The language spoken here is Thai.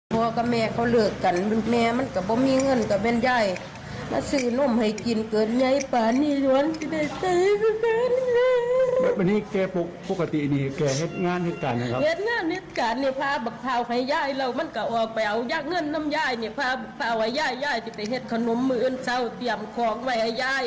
แบบนี้แกปกปกตินี่แกเห็ทงานเนี่ยกันครับ